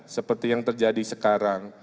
seperti yang terjadi sekarang